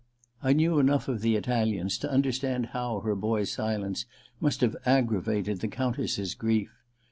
I knew enough of the Italians to understand how her boy*s silence must have aggravated the Countess's grief.